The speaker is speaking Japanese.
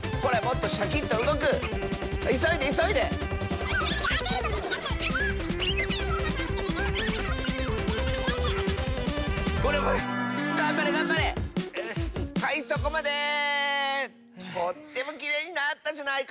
とってもきれいになったじゃないか。